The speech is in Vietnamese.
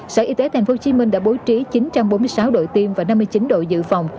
sở y tế tp hcm đã bố trí chín trăm bốn mươi sáu đội tiêm và năm mươi chín đội dự phòng